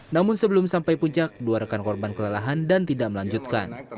namun sebelum sampai puncak dua rekan korban kelelahan dan tidak melanjutkan